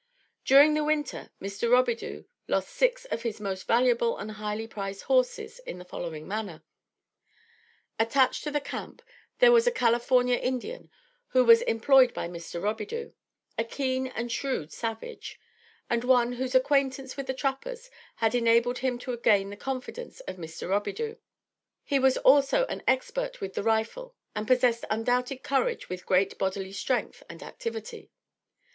During the winter Mr. Robidoux lost six of his most valuable and high priced horses, in the following manner. Attached to the camp there was a California Indian who was employed by Mr. Robidoux, a keen and shrewd savage: and one, whose acquaintance with the trappers had enabled him to gain the confidence of Mr. Robidoux. He was also an expert with the rifle and possessed undoubted courage with great bodily strength and activity.